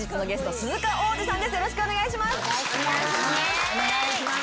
よろしくお願いします。